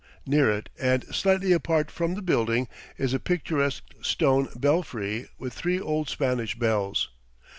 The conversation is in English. Near it, and slightly apart from the building, is a picturesque stone belfry with three old Spanish bells.